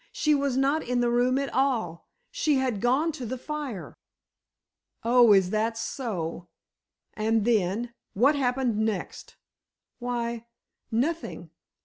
"She was not in the room at all. She had gone to the fire." "Oh, is that so? And then—what happened next?" "Why—nothing.